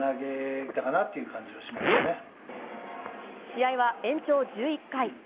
試合は延長１１回。